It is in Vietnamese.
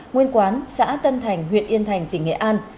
nguyên quán xã tân thành huyện yên thành tỉnh nghệ an